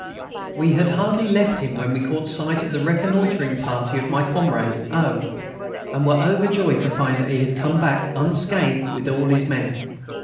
We had hardly left him when we caught sight of the reconnoitring party of my comrade O., and were overjoyed to find that he had come back unscathed with all his men.